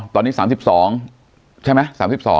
ตอนนี้๓๒ใช่ไหม๓๒